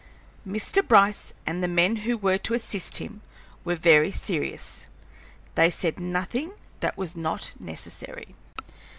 Mr. Bryce and the men who were to assist him were very serious. They said nothing that was not necessary.